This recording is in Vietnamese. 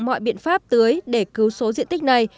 mọi biện pháp tưới để cứu số diện tích này